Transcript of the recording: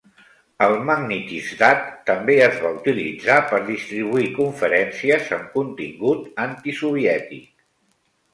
El Magnitizdat també es va utilitzar per distribuir conferències amb contingut antisoviètic.